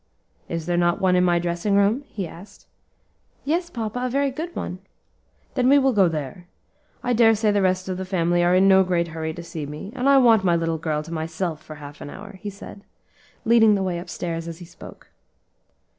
"Is there not one in my dressing room?" he asked. "Yes, papa, a very good one." "Then we will go there. I dare say the rest of the family are in no great hurry to see me, and I want my little girl to myself for half an hour," he said, leading the way up stairs as he spoke.